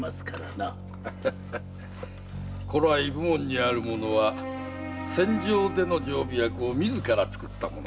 古来武門にある者は戦場での常備薬を自ら作ったものだ。